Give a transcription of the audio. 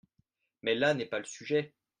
Mais là n’est pas le sujet.